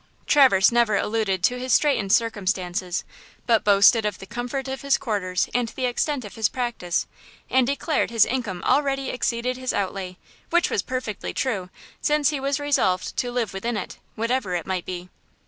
Traverse never alluded to his straitened circumstances, but boasted of the comfort of his quarters and the extent of his practice, and declared his income already exceeded his outlay, which was perfectly true, since he was resolved to live within it, whatever it might be.